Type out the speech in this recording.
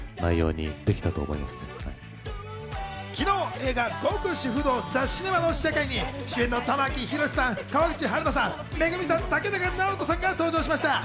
昨日、映画『極主夫道ザ・シネマ』の試写会に主演の玉木宏さん、川口春奈さん、ＭＥＧＵＭＩさん、竹中直人さんが登場しました。